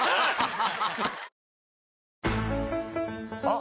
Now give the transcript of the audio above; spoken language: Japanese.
あ！